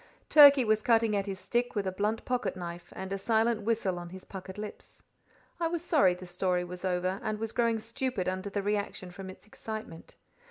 Turkey was cutting at his stick with a blunt pocket knife, and a silent whistle on his puckered lips. I was sorry the story was over, and was growing stupid under the reaction from its excitement.